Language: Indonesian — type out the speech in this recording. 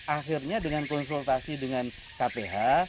akhirnya dengan konsultasi dengan kph